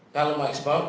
kalau mau ekspor